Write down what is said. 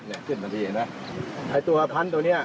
เนี่ยเสร็จตรงนี้เห็นป่ะไอ้ตัวพันต์ตัวเนี้ย